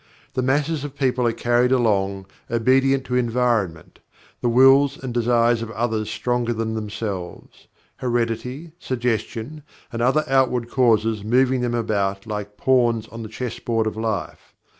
The masses of people are carried along, obedient to environment; the wills and desires of others stronger than themselves; heredity; suggestion; and other outward causes moving them about like pawns on the Chessboard of Life.